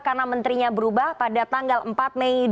karena menterinya berubah pada tanggal empat mei dua ribu dua puluh